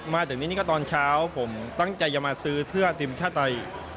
มาถึงนี่ก็ตอนเช้าผมตั้งใจจะมาซื้อเพื่อทีมชาติไทย